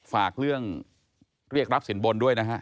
ฝากเรื่องเรียกรับสินบนด้วยนะฮะ